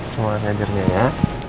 semangat ngajarnya ya